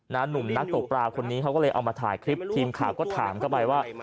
หนุ่มนักตกปลาคนนี้เขาก็เลยเอามาถ่ายคลิปทีมข่าวก็ถามเข้าไปว่า